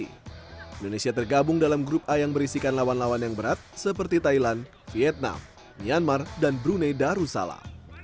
indonesia tergabung dalam grup a yang berisikan lawan lawan yang berat seperti thailand vietnam myanmar dan brunei darussalam